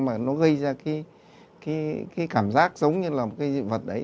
mà nó gây ra cái cảm giác giống như là một cái dị vật đấy